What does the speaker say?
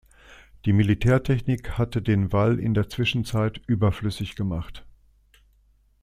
Die Militärtechnik hatte den Wall in der Zwischenzeit überflüssig gemacht.